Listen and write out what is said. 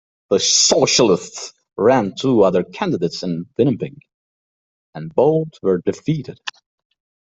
The Socialists ran two other candidates in Winnipeg, and both were defeated.